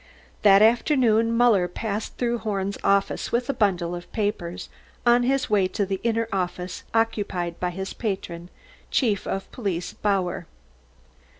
That afternoon Muller passed through Horn's office with a bundle of papers, on his way to the inner office occupied by his patron, Chief of Police Bauer.